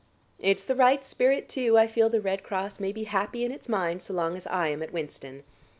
It's the right spirit, too. I feel the Red Cross may be happy in its mind so long as I am at Winston.